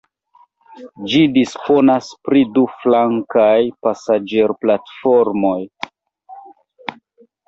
Ĝi disponas pri du flankaj pasaĝerplatformoj.